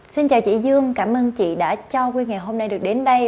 xin chào chị dương cảm ơn chị đã cho quý nghệ hôm nay được đến đây